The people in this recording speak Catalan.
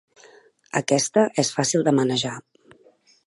Aquesta és fàcil de manejar.